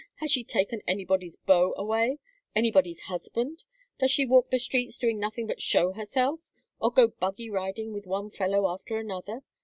Has she taken anybody's beau away? Anybody's husband? Does she walk the streets doing nothing but show herself, or go buggy riding with one fellow after another?